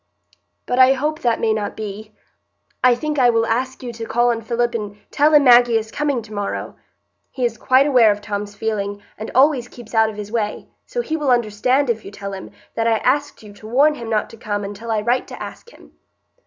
"But I hope that may not be. I think I will ask you to call on Philip and tell him Maggie is coming to morrow. He is quite aware of Tom's feeling, and always keeps out of his way; so he will understand, if you tell him, that I asked you to warn him not to come until I write to ask him."